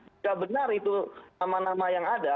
jika benar itu nama nama yang ada